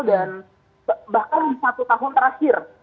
dan bahkan di satu tahun terakhir